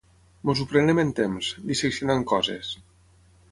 Ens ho prenem en temps, disseccionant coses.